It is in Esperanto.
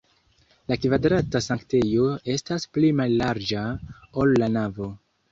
La kvadrata sanktejo estas pli mallarĝa, ol la navo.